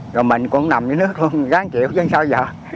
rồi mình cũng nằm dưới nước luôn ráng chịu chứ sao giờ